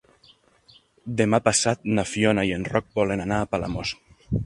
Demà passat na Fiona i en Roc volen anar a Palamós.